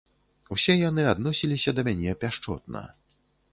Усе яны адносіліся да мяне пяшчотна.